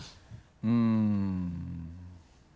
うん。